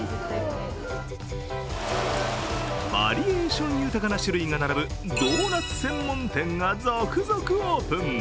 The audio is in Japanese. バリエーション豊かな種類が並ぶドーナツ専門店が続々オープン。